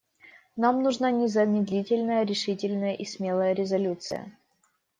Нам нужна незамедлительная, решительная и смелая резолюция.